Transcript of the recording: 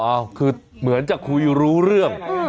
คือเหมือนจะคุยรู้เรื่อง